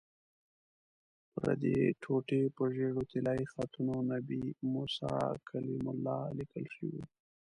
پردې ټوټې په ژېړو طلایي خطونو 'نبي موسی کلیم الله' لیکل شوي وو.